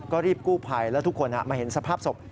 ก็รีบกู้ภัยแล้วทุกคนมาเห็นสภาพศพ